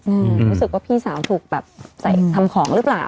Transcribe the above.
รู้สึกว่าพี่สาวถูกแบบใส่ทำของหรือเปล่า